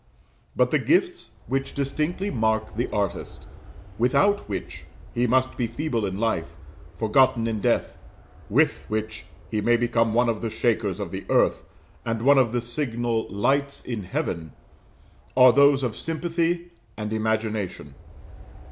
But the gifts which distinctively mark the artist without which he must be feeble in life, forgotten in death with which he may become one of the shakers of the earth, and one of the signal lights in heaven are those of sympathy and imagination.